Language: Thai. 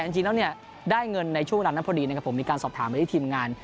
จริงแล้วได้เงินในช่วงนั้นพอดีมีการสอบถามไปที่ทีมงาน